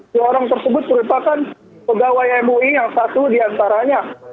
dua orang tersebut merupakan pegawai mui yang satu diantaranya